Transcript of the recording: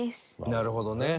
なるほどね。